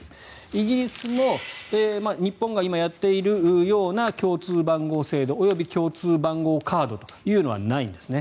イギリスも日本が今やっているような共通番号制度及び共通番号カードというのはないんですね。